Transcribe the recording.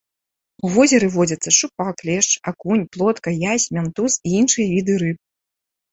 У возеры водзяцца шчупак, лешч, акунь, плотка, язь, мянтуз і іншыя віды рыб.